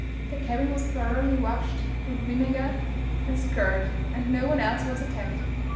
The cabin was thoroughly washed with vinegar, and scoured, and no one else was attacked.